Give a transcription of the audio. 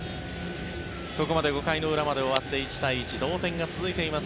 ここまで５回の裏まで終わって１対１、同点が続いています